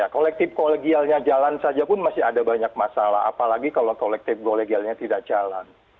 kolektif kolegialnya jalan saja pun masih ada banyak masalah apalagi kalau kolektif kolegialnya tidak jalan